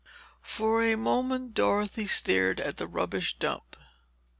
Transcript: For a moment Dorothy stared at the rubbish dump.